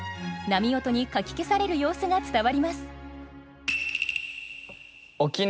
波音にかき消される様子が伝わります。